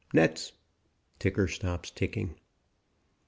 NETS..... (Ticker stops ticking).